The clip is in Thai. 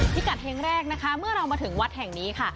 พิกัดเฮงแรกนะคะเมื่อเรามาถึงวัดแห่งนี้ค่ะ